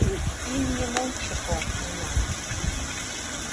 Имньым ончыко, манам!